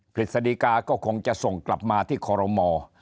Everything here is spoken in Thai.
ฤษฎีกาก็คงจะส่งกลับมาที่คอรมอ